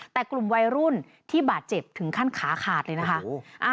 แต่กลุ่มวัยรุ่นที่บาดเจ็บถึงขั้นขาขาดเลยนะคะ